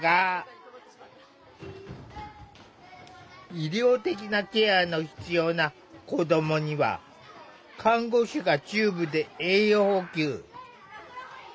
医療的なケアの必要な子どもには看護師がチューブで栄養補給。